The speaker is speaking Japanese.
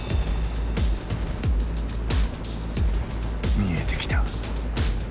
見えてきた！